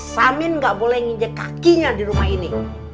samin gak boleh nginjek kakinya di rumah ini